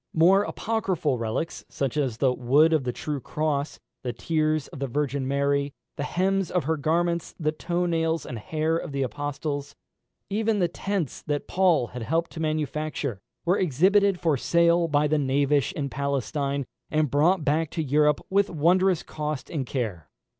More apocryphal relics, such as the wood of the true cross, the tears of the Virgin Mary, the hems of her garments, the toe nails and hair of the Apostles even the tents that Paul had helped to manufacture were exhibited for sale by the knavish in Palestine, and brought back to Europe "with wondrous cost and care."